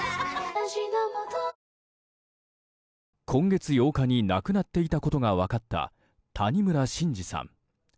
今月８日に亡くなっていたことが分かった谷村新司さん。